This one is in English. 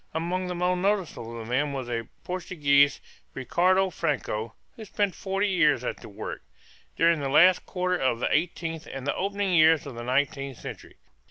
Among the most notable of them was a Portuguese, Ricardo Franco, who spent forty years at the work, during the last quarter of the eighteenth and the opening years of the nineteenth centuries.